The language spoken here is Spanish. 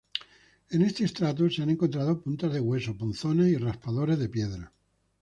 En este estrato se han encontrado puntas de hueso, punzones y raspadores de piedra.